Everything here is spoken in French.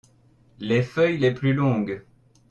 Les feuilles les plus longues.